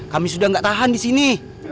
kami sudah gak tahan disini